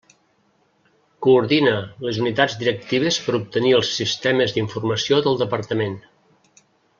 Coordina les unitats directives per obtenir els sistemes d'informació del Departament.